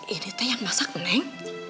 ini teh yang masak neng